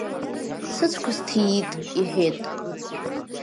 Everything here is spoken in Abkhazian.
Сыцәқәа сҭиит, — иҳәеит.